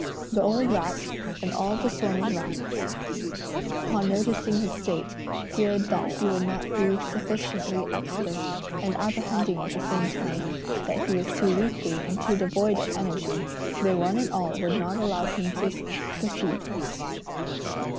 The old rat and all the swarm of rats, upon noticing his state, feared that he would not be sufficiently expert, and apprehending at the same time that he was too weakly and too devoid of energy, they one and all would not allow him to proceed.